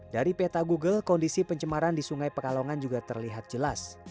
dari peta google kondisi pencemaran di sungai pekalongan juga terlihat jelas